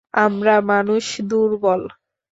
আমরা মানুষ দুর্বল।